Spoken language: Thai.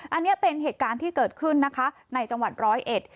อันนี้เป็นเหตุการณ์ที่เกิดขึ้นนะคะในจังหวัดร้อยเอ็ด